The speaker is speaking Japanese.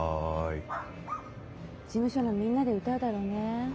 事務所のみんなで歌うだろうね。